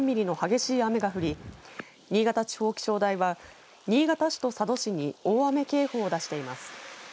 地方気象台は新潟市と佐渡市に大雨警報を出しています。